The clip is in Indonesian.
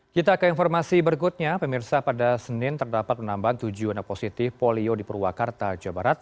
kita ke informasi berikutnya pemirsa pada senin terdapat penambahan tujuh anak positif polio di purwakarta jawa barat